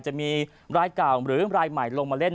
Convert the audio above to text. จะมีรายเก่าหรือรายใหม่ลงมาเล่น